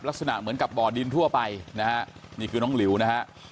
ลักษณะเหมือนกับบ่อดินทั่วไปนะฮะนี่คือน้องหลิวนะฮะ